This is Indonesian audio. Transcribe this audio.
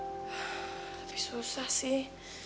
tapi susah sih